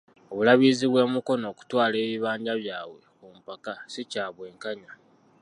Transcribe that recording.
Obulabirizi bw'e Mukono okutwala ebibanja byabwe ku mpaka, si kya bwenkanya.